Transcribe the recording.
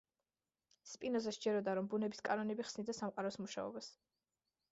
სპინოზას სჯეროდა რომ ბუნების კანონები ხსნიდა სამყაროს მუშაობას.